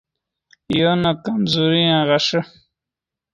یو نے کمزورین غیݰے